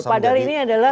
padahal ini adalah